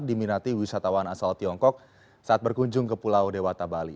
diminati wisatawan asal tiongkok saat berkunjung ke pulau dewata bali